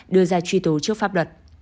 đưa ra truy tố trước pháp luật